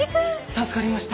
助かりました。